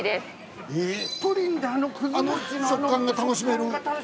プリンであのくず餅のあの食感が楽しめるんですか。